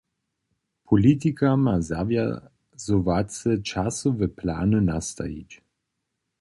Politika ma zawjazowace časowe plany nastajić.